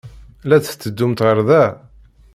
La d-tetteddumt ɣer da?